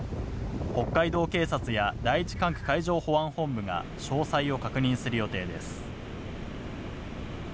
北海道警察や第１管区海上保安本部が詳細を確認する予定です。